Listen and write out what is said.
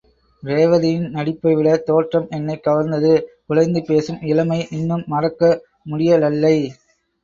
ரேவதியின் நடிப்பைவிட தோற்றம் என்னைக் கவர்ந்தது குழைந்து பேசும் இளமை இன்னும் மறக்க முடியலல்லை.